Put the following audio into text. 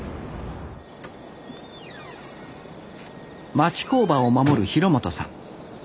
町工場を守る廣本さん。